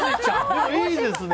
でも、いいですね